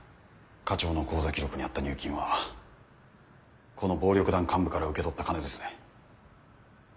課長の口座記録にあった入金はこの暴力団幹部から受け取った金ですね？